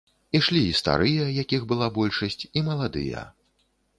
Ішлі і старыя, якіх была большасць, і маладыя.